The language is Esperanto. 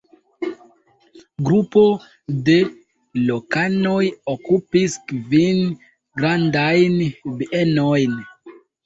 Grupo de lokanoj okupis kvin grandajn bienojn.